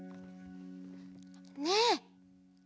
ねえ。